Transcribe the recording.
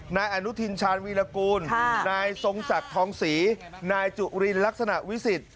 นายอนุทินชาญวีรกูลนายทรงศักดิ์ทองศรีนายจุรินลักษณะวิสิทธิ